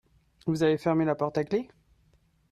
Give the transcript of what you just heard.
Vous avez fermé la porte à clef ?